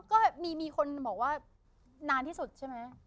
ก็มีคนบอกว่านานที่สุดใช่ไหม